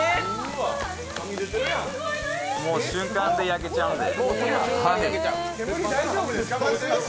瞬間で焼けちゃうんで。